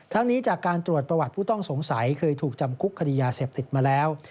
นี้จากการตรวจประวัติผู้ต้องสงสัยเคยถูกจำคุกคดียาเสพติดมาแล้ว